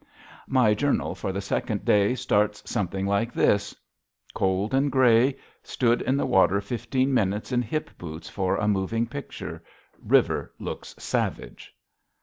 My journal for the second day starts something like this: Cold and gray. Stood in the water fifteen minutes in hip boots for a moving picture. River looks savage.